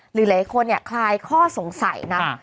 หลายคนคลายข้อสงสัยนะ